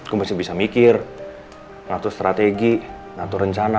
gue masih bisa mikir ngatur strategi ngatur rencana